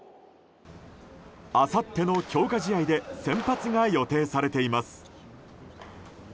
あさっての強化試合で先発が予定されています。